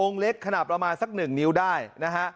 องค์เล็กขนาดประมาณสัก๑นิ้วได้นะฮะ